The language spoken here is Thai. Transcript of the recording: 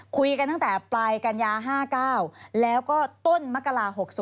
คุยกันตั้งแต่ปลายกันยา๕๙แล้วก็ต้นมกรา๖๐